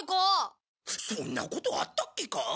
そんなことあったっけか？